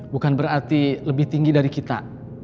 bukan berarti lebih tinggi dari kita